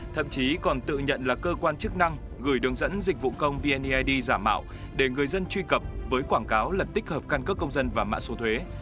thậm chí còn tự nhận là cơ quan chức năng gửi đường dẫn dịch vụ công vneid giả mạo để người dân truy cập với quảng cáo là tích hợp căn cước công dân và mã số thuế